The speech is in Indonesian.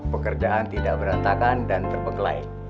pekerjaan tidak berantakan dan terbengkelai